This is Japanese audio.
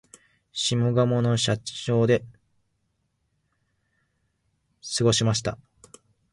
下鴨の社家町で過ごしました